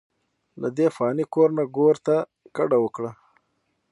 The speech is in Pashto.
ددې فاني کور نه ګور ته کډه اوکړه،